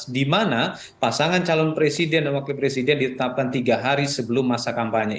di mana pasangan calon presiden dan wakil presiden ditetapkan tiga hari sebelum masa kampanye